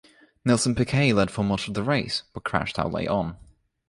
Nelson Piquet led for much of the race, but crashed out late on.